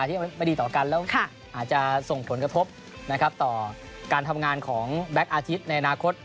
ที่ไม่ดีต่อกันแล้วอาจจะส่งผลกระทบนะครับต่อการทำงานของแบ็คอาทิตย์ในอนาคต